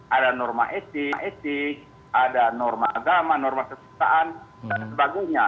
ada norma etik norma agama norma kesuksesan dan sebagainya